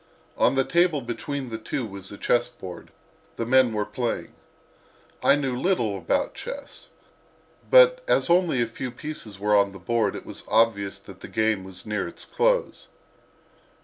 On the table between the two was a chessboard; the men were playing. I knew little of chess, but as only a few pieces were on the board it was obvious that the game was near its close.